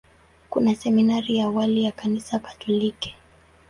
Kuna seminari ya awali ya Kanisa Katoliki.